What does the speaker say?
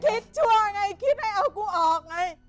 ชั่วไงคิดให้เอากูออกไง